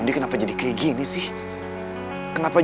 saya sudah belajar untuk berry p cielo untuk selamat